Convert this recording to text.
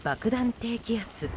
低気圧。